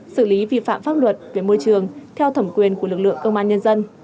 xử lý vi phạm pháp luật về môi trường theo thẩm quyền của lực lượng công an nhân dân